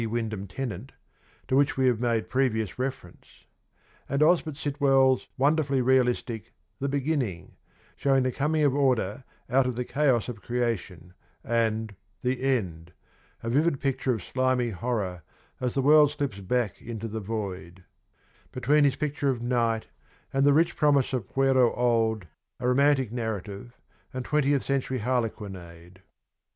Wyndham Tennant, to which we have made previous reference ; and Osbert Sitwell's wonderfully realistic 'The Beginning,' show ing the coming of order out of the chaos of creation, and ' The End,' a vivid picture of slimy horror as the world slips back into the void : between his picture of ' Night ' and the rich promise of ' Pierrot Old,' a romantic narrative, and ' Twentieth Century Harlequinade.'